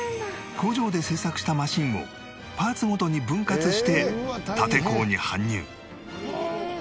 工場で製作したマシンをパーツごとに分割して立坑に搬入